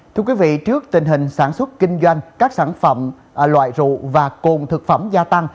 thưa quý vị trước tình hình sản xuất kinh doanh các sản phẩm loại rượu và cồn thực phẩm gia tăng